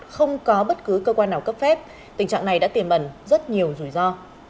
không có bất cứ cơ quan nào cấp phép tình trạng này đã tiềm ẩn rất nhiều rủi ro